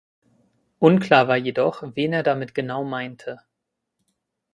Unklar war jedoch, wen er damit genau meinte.